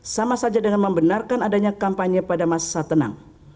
sama saja dengan membenarkan adanya kampanye pada masa tenang